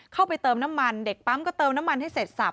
เข้าไปเติมน้ำมันเด็กปั๊มก็เติมน้ำมันให้เสร็จสับ